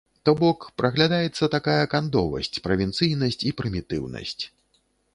То бок, праглядаецца такая кандовасць, правінцыйнасць і прымітыўнасць.